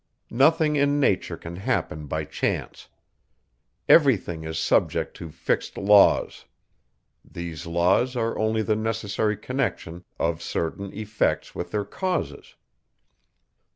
Nothing in nature can happen by chance. Every thing is subject to fixed laws. These laws are only the necessary connection of certain effects with their causes.